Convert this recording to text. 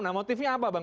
nah motifnya apa bang